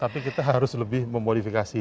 tapi kita harus lebih memodifikasi